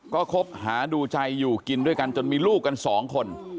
ก็คบหาดูใจอยู่กินด้วยกันจนมีลูกกันสองคน